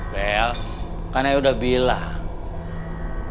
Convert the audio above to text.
bel kan ayah udah bilang